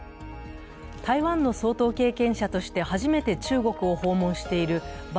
台湾の総統経験者として初めて中国を訪問している馬